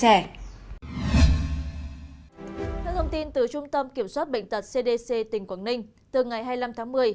theo thông tin từ trung tâm kiểm soát bệnh tật cdc tỉnh quảng ninh từ ngày hai mươi năm tháng một mươi